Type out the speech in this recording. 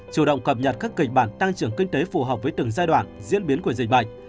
chủ động cập nhật các kịch bản tăng trưởng kinh tế phù hợp với từng giai đoạn diễn biến của dịch bệnh